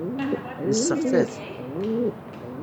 Nesseɣta-t.